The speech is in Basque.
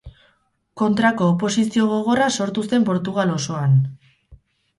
Kontrako oposizio gogorra sortu zen Portugal osoan.